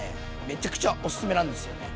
めちゃくちゃオススメなんですよね。